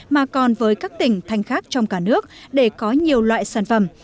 mà còn với các tỉnh thành khác trong cả nước để có nhiều loại sản phẩm